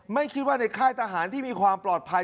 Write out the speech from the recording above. ไม่คิดว่าในค่ายทหารที่มีความปลอดภัย